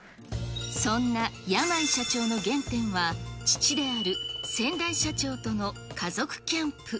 そんな山井社長の原点は、父である先代社長との家族キャンプ。